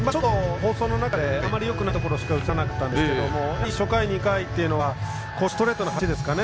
放送の中であまりよくないところしか映らなかったんですが初回、２回というのはストレートの走りですかね。